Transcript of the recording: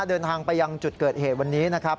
เดินทางไปยังจุดเกิดเหตุวันนี้นะครับ